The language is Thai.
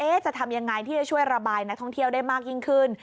จะทำยังไงที่จะช่วยระบายนักท่องเที่ยวได้มากยิ่งขึ้น